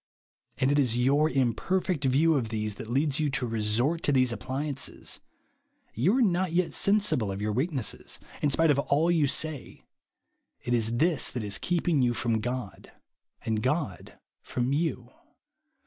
And it is your imper fect view of these that leads you to resort to these appliances. You are not yet sen sible of your weakness, in spite of all you 122 BELIEVE JUST NOW. say. It is this that is keepin.cr yon from God and God from you.